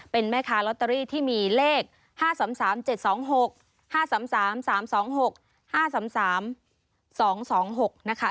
เป็นแม่ค้าลอตเตอรี่ที่มีเลข๕๓๓๗๒๖